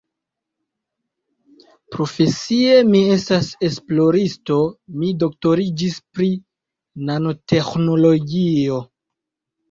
Profesie mi estas esploristo, mi doktoriĝis pri nanoteĥnologio.